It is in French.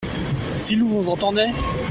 Si l’on vous entendait ?